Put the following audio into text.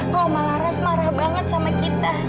kalau malaras marah banget sama kita